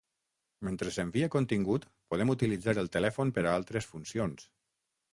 Mentre s’envia contingut, podem utilitzar el telèfon per a altres funcions.